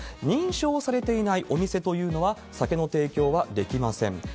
認証されていないお店というのは、酒の提供はできません。